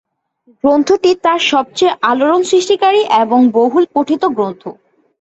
গ্রন্থটি তার সবচেয়ে আলোড়ন সৃষ্টিকারী এবং বহুল পঠিত গ্রন্থ।